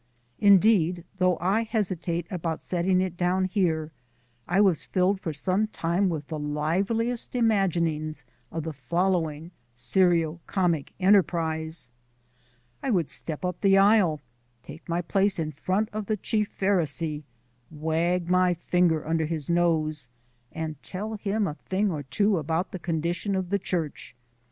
Indeed, though I hesitate about setting it down here, I was filled for some time with the liveliest imaginings of the following serio comic enterprise: I would step up the aisle, take my place in front of the Chief Pharisee, wag my finger under his nose, and tell him a thing or two about the condition of the church.